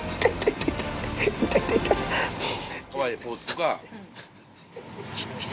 可愛いポーズとか。